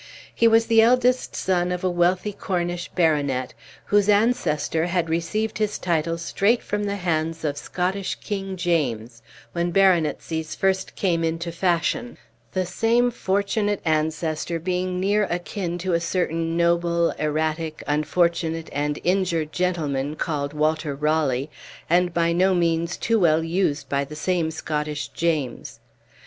He was the eldest son of a wealthy Cornish baronet, whose ancestor had received his title straight from the hands of Scottish King James, when baronetcies first came into fashion; the same fortunate ancestor being near akin to a certain noble, erratic, unfortunate, and injured gentleman called Walter Raleigh, and by no means too well used by the same Scottish James.